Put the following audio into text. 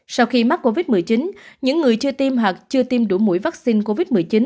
sau khi mắc covid một mươi chín những người chưa tiêm hoặc chưa tiêm đủ mũi vaccine covid một mươi chín